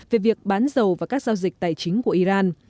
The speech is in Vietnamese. về việc bán dầu và các giao dịch tài chính của iran